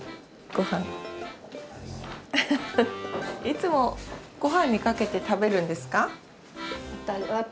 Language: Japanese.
いつもご飯にかけて食べるんですか？